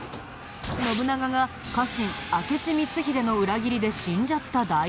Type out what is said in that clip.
信長が家臣明智光秀の裏切りで死んじゃった大事件。